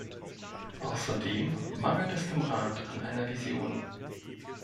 Außerdem mangelt es dem Rat an einer Vision.